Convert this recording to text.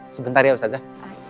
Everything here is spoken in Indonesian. sebentar ya ustazah